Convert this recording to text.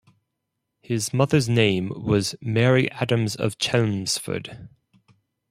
His mother's name was Mary Adams of Chelmsford.